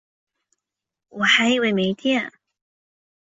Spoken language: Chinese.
我还以为没电